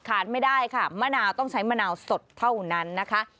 ไม่ได้ค่ะมะนาวต้องใช้มะนาวสดเท่านั้นนะคะ